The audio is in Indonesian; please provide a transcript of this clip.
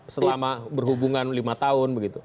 selama berhubungan lima tahun begitu